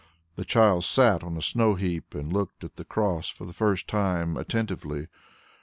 The child sat on a snow heap, and looked at the cross for the first time attentively.